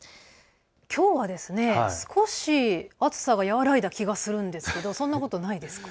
きょうは少し暑さが和らいだ気がするんですけどそんなことないですか？